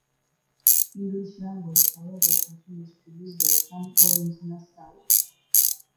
The English language, however, continues to use the term "Orange-Nassau".